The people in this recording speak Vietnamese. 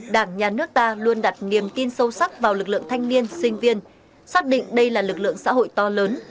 đảng nhà nước ta luôn đặt niềm tin sâu sắc vào lực lượng thanh niên sinh viên xác định đây là lực lượng xã hội to lớn